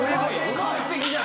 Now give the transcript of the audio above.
・完璧じゃん！